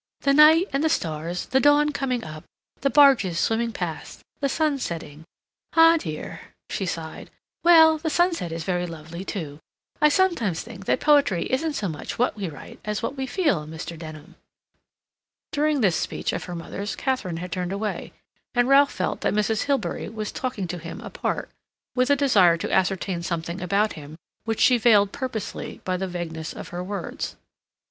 "The night and the stars, the dawn coming up, the barges swimming past, the sun setting.... Ah dear," she sighed, "well, the sunset is very lovely too. I sometimes think that poetry isn't so much what we write as what we feel, Mr. Denham." During this speech of her mother's Katharine had turned away, and Ralph felt that Mrs. Hilbery was talking to him apart, with a desire to ascertain something about him which she veiled purposely by the vagueness of her words.